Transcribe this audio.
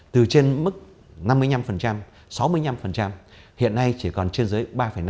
từ trên mức năm mươi năm sáu mươi năm hiện nay chỉ còn trên dưới ba năm